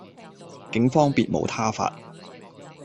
警方別無他法